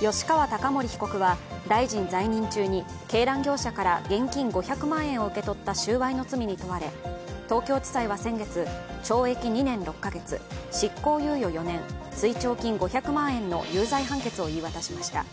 吉川貴盛被告は大臣在任中に鶏卵業者から現金５００万円を受け取った収賄の罪に問われ、東京地裁は先月、懲役２年６カ月、執行猶予４年、追徴金５００万円の有罪判決を言い渡しました。